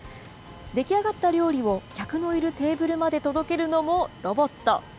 出来上がった料理を、客のいるテーブルまで届けるのもロボット。